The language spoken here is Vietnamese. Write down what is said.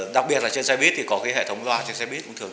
đặc biệt là trên xe buýt thì có hệ thống loa trên xe buýt